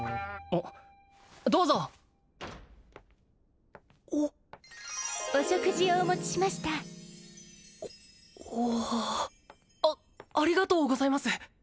どうぞおっお食事をお持ちしましたおっおおあありがとうございます